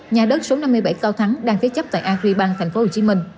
nhà đất số năm mươi bảy cao thắng đang phía chấp tại a quy băng tp hcm